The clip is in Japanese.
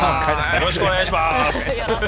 よろしくお願いします。